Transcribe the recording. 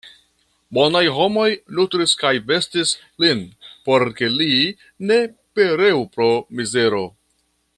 Bonaj homoj nutris kaj vestis lin, por ke li ne pereu pro mizero.